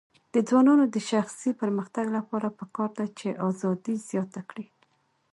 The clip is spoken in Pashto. د ځوانانو د شخصي پرمختګ لپاره پکار ده چې ازادي زیاته کړي.